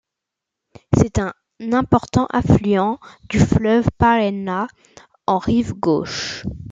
C'est un important affluent du fleuve Paraná en rive gauche.